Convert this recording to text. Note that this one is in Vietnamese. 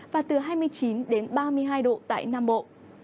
và từ hai mươi chín đến ba mươi hai độ tại nam bộ